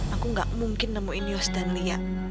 aku gak mungkin nemuin yos dan lia